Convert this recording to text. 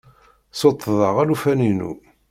Ssuṭṭḍeɣ alufan-inu.